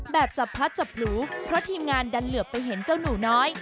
แบบจับพลัดจับหลูเพราะทีมงานดันเหลือไปเห็นเจ้าหนูน้อย